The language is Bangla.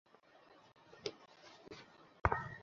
আমার সন্তানের দিব্যি খেয়ে বলছি, আমি কিচ্ছু জানি না।